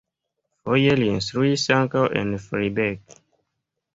Foje li instruis ankaŭ en Freiberg.